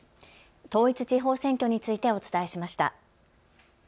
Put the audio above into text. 統一地方選挙についてお伝えしました。